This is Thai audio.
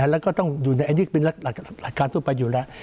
แล้วก็ต้องอยู่ในอันนี้เป็นหลักการทั่วไปอยู่แล้ว